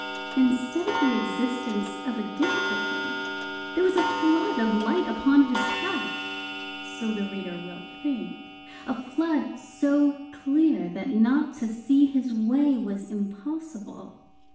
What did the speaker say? Instead of the existence of a difficulty, there was a flood of light upon his path, so the reader will think; a flood so clear that not to see his way was impossible.